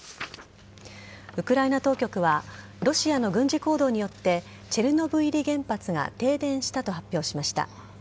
ウクライナ当局はロシアの軍事行動によってチェルノブイリ原発が停電したと発表しました。